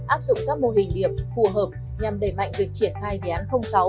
áp dụng các mô hình điểm phù hợp nhằm đẩy mạnh việc triển khai đề án sáu